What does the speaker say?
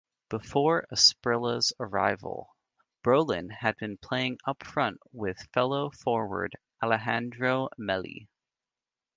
Before Asprilla's arrival, Brolin had been playing up-front with fellow forward Alessandro Melli.